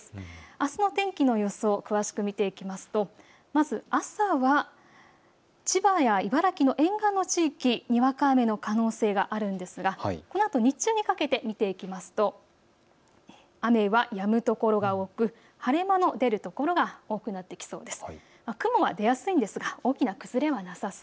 あすの天気の予想、詳しく見ていきますとまず朝は千葉や茨城の沿岸の地域、にわか雨の可能性があるんですがこのあと日中にかけて見ていきますと雨はやむ所が多く晴れ間の出る所が多くなってきそうです。